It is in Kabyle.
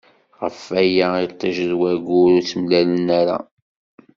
Ɣef waya itij d waggur ur ttemlalen ara.